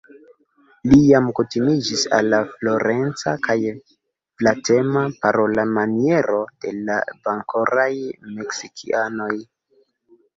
Li jam kutimiĝis al la floreca kaj flatema parolmaniero de la bonkoraj Meksikianoj.